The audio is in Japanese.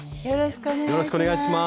よろしくお願いします。